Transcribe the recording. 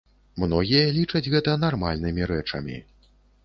Многія лічаць гэта нармальнымі рэчамі.